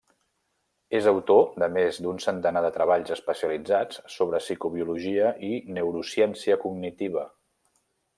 És autor de més d’un centenar de treballs especialitzats sobre psicobiologia i neurociència cognitiva.